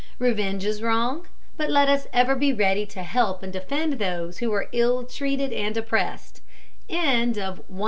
Revenge is wrong, but let us ever be ready to help and defend those who are ill treated and oppressed.